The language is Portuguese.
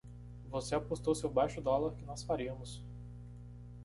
Você apostou seu baixo dólar que nós faríamos!